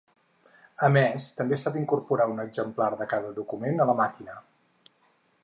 A més, també s'ha d'incorporar un exemplar de cada document a la màquina.